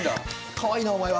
かわいいなお前は。